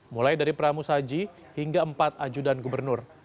mulai dari pramus haji hingga empat ajudan gubernur